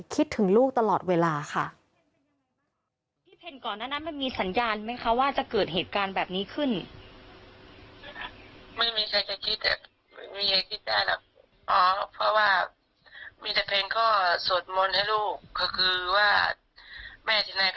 คิดถึงลูกตลอดเวลาค่ะ